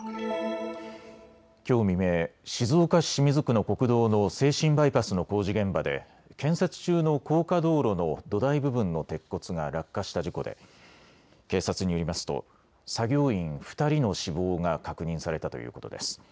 きょう未明、静岡市清水区の国道の静清バイパスの工事現場で建設中の高架道路の土台部分の鉄骨が落下した事故で警察によりますと作業員２人の死亡が確認されたということです。